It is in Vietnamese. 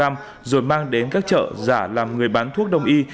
rồi mang đến các chợ giả làm người bán thuốc đông y